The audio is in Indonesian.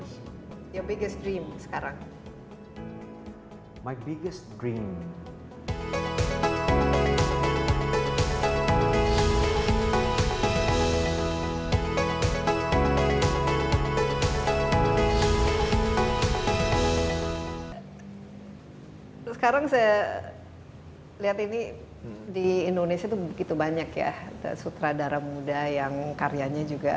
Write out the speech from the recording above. sekarang saya lihat ini di indonesia begitu banyak ya sutradara muda yang karyanya juga